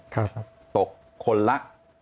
ครับตกคนละ